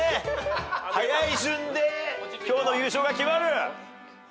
はやい順で今日の優勝が決まる。